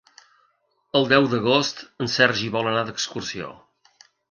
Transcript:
El deu d'agost en Sergi vol anar d'excursió.